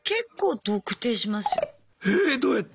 どうやって？